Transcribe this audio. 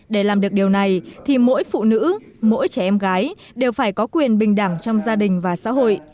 để làm được điều này thì mỗi phụ nữ mỗi trẻ em gái đều phải có quyền bình đẳng trong gia đình và xã hội